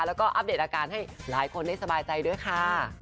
แล้วก็อัปเดตอาการให้หลายคนได้สบายใจด้วยค่ะ